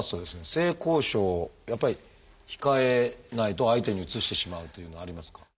性交渉をやっぱり控えないと相手にうつしてしまうというのはありますか？